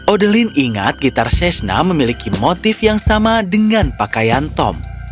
odelin ingat gitar sheshna memiliki motif yang sama dengan pakaian tom